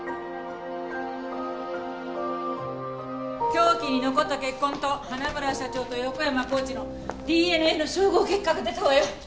凶器に残った血痕と花村社長と横山コーチのＤＮＡの照合結果が出たわよ。